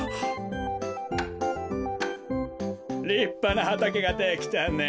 りっぱなはたけができたね。